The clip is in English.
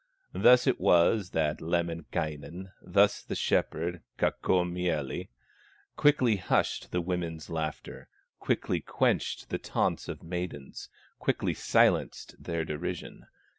Thus it was that Lemminkainen, Thus the shepherd, Kaukomieli, Quickly hushed the women's laughter, Quickly quenched the taunts of maidens, Quickly silenced their derision.